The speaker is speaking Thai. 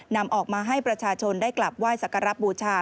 นำออกมาให้ประชาชนได้กลับไหว้สักการะบูชา